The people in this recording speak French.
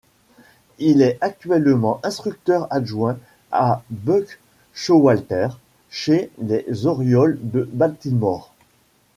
Il est actuellement instructeur adjoint à Buck Showalter chez les Orioles de Baltimore.